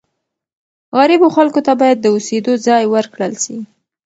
غریبو خلکو ته باید د اوسېدو ځای ورکړل سي.